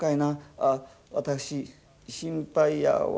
ああ私心配やわ」。